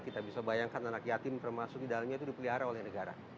kita bisa bayangkan anak yatim termasuk di dalamnya itu dipelihara oleh negara